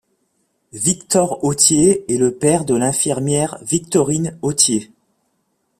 Victor Autier est le père de l'infirmière Victorine Autier.